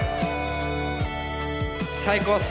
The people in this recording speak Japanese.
最高っす！